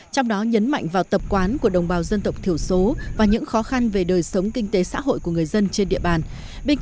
trong đó nhấn mạnh vào tập quán của đồng bào dân tộc thiểu số và những khó khăn về đời sống kinh tế xã hội của người dân